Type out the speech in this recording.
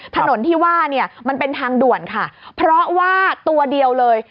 ถนนที่ว่าเนี่ยมันเป็นทางด่วนค่ะเพราะว่าตัวเดียวเลย